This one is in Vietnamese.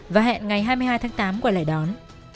và hẹn ngày hai mươi hai tháng tám quay lại đón